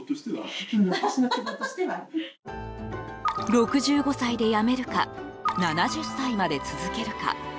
６５歳で辞めるか７０歳まで続けるか。